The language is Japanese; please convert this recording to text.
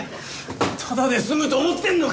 ただで済むと思ってんのか！